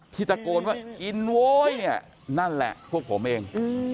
ที่ตะโกนว่าอินโวยเนี่ยนั่นแหละพวกผมเอง